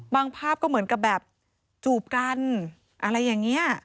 ภาพก็เหมือนกับแบบจูบกันอะไรอย่างนี้